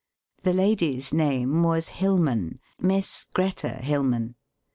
The lady's name was Hilmann Miss Greta Hilmann.